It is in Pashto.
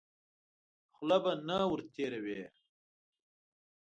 خوله به نه ور تېروې.